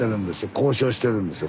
交渉してるんですよ